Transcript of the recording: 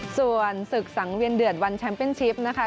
ส่วนศึกสังเวียนเดือดวันแชมป์เป็นชิปนะคะ